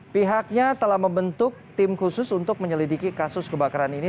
pihaknya telah membentuk tim khusus untuk menyelidiki kasus kebakaran ini